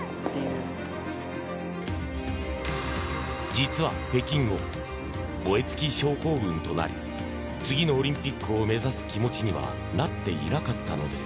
実は北京後燃え尽き症候群となり次のオリンピックを目指す気持ちにはなっていなかったのです。